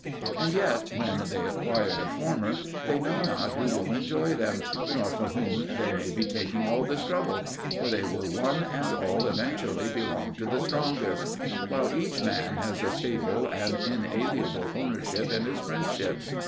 And yet, when they acquire the former, they know not who will enjoy them, nor for whom they may be taking all this trouble; for they will one and all eventually belong to the strongest: while each man has a stable and inalienable ownership in his friendships.